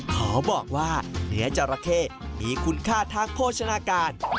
ขอบอกว่าเนื้อจราเข้มีคุณค่าทางโภชนาการ